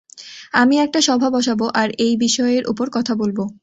আমি একটা সভা বসাবো, আর এই বিষয়ের উপর কথা বলবো।